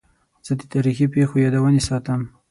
زه د تاریخي پیښو یادونې ساتم.